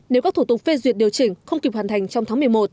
nếu các thủ tục phê duyệt điều chỉnh không kịp hoàn thành trong tháng một mươi một